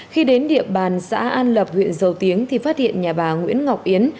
khi đến địa bàn xã an lập huyện dầu tiếng thì phát hiện nhà bà nguyễn ngọc yến